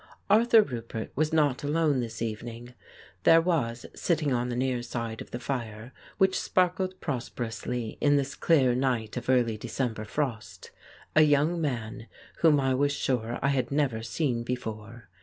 Arthur Roupert was not alone this evening ; there was sitting on the near side of the fire, which sparkled prosperously in this clear night of early December frost, a young man whom I was sure I had never seen before.